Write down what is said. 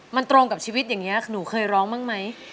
มันตรงกับชีวิตอย่างนี้หนูเคยร้องบ้างไหม